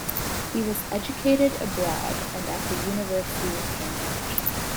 He was educated abroad and at the University of Cambridge.